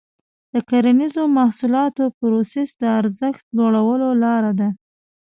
د کرنیزو محصولاتو پروسس د ارزښت لوړولو لاره ده.